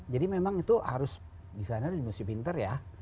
jadi memang itu harus designer itu harus pinter ya